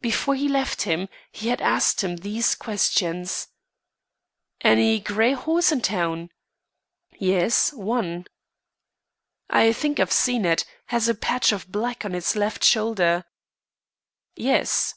Before he left him, he had asked him these questions: "Any grey horse in town?" "Yes, one." "I think I've seen it has a patch of black on its left shoulder." "Yes."